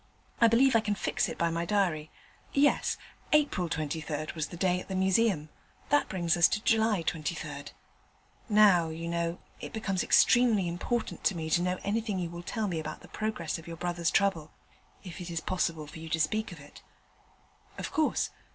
I believe I can fix it by my diary. Yes, April 23rd was the day at the Museum; that brings us to July 23rd. Now, you know, it becomes extremely important to me to know anything you will tell me about the progress of your brother's trouble, if it is possible for you to speak of it.' 'Of course.